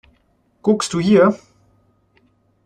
Guckst du hier!